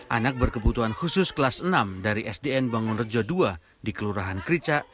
anak berkebutuhan khusus kelas enam dari sdn bangun rejo ii di kelurahan krica